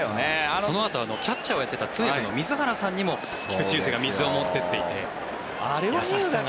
そのあとキャッチャーをやってて水原さんにも菊池雄星が水を持っていって優しさが。